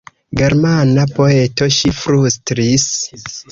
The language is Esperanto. Germana poeto, ŝi flustris.